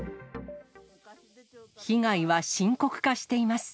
被害は深刻化しています。